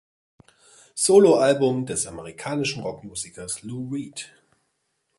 Soloalbum des amerikanischen Rockmusikers Lou Reed.